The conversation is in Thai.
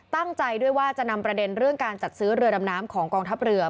ตั้งใจด้วยว่าจะนำประเด็นเรื่องการจัดซื้อเรือดำน้ำของกองทัพเรือ